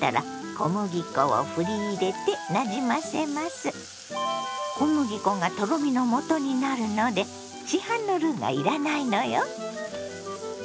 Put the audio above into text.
小麦粉がとろみの素になるので市販のルーが要らないのよ。